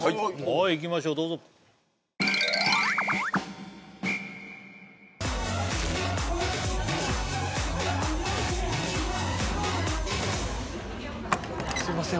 はいいきましょうどうぞすいません